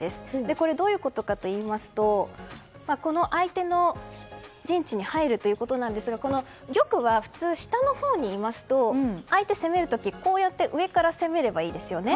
これ、どういうことかといいますと相手の陣地に入るということなんですが玉は普通、下のほうにいますと相手が攻める時上から攻めればいいですよね。